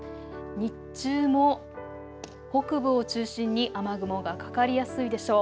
日中も北部を中心に雨雲がかかりやすいでしょう。